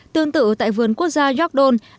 tương tự tại vườn quốc gia york dome